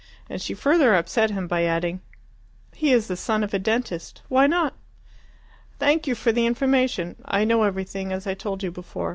And she further upset him by adding, "He is the son of a dentist. Why not?" "Thank you for the information. I know everything, as I told you before.